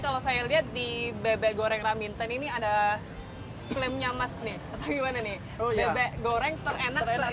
kalau saya lihat di bebek goreng raminten ini ada lemnya mas nih gimana nih goreng terenak